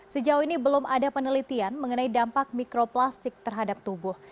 sejauh ini belum ada penelitian mengenai dampak mikroplastik terhadap tubuh